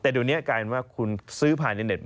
แต่เดี๋ยวนี้กลายเป็นว่าคุณซื้อผ่านในเต็